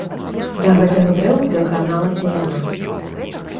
Да гэтых дрэў дакраналася яна.